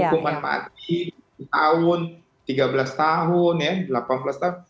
hukuman mati tahun tiga belas tahun ya delapan belas tahun